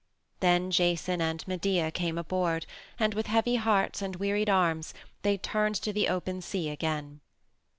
Then Jason and Medea came aboard, and with heavy hearts and wearied arms they turned to the open sea again.